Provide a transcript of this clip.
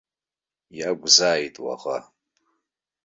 Иакәзааит уаӷа!